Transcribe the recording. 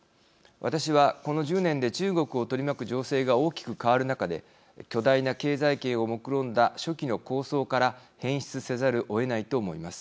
私は、この１０年で中国を取り巻く情勢が大きく変わる中で巨大な経済圏をもくろんだ初期の構想から変質せざるをえないと思います。